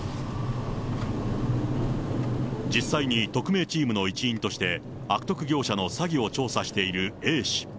実際に特命チームの一員として、悪徳業者の詐欺を調査しているＡ氏。